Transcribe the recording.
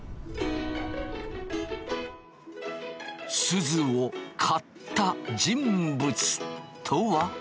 すずを買った人物とは。